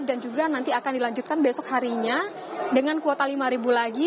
dan juga nanti akan dilanjutkan besok harinya dengan kuota lima ribu lagi